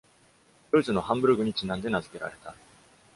ドイツのハンブルグにちなんで名づけられた。